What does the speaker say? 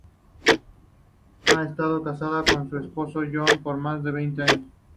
Ha estado casada con su esposo John por más de veinte años.